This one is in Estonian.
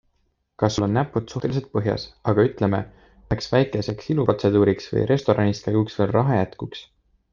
Kas sul on näpud suhteliselt põhjas, aga ütleme, üheks väikeseks iluprotseduuriks või restoraniskäiguks veel raha jätkuks?